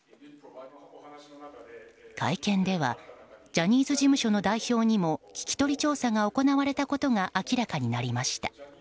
会見では、ジャニーズ事務所の代表にも聞き取り調査が行われたことが明らかになりました。